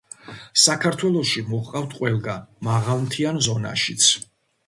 საქართველოში მოჰყავთ ყველგან, მაღალმთიან ზონაშიც.